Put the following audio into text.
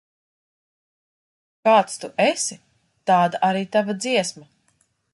Kāds tu esi, tāda arī tava dziesma.